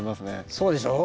そうでしょう。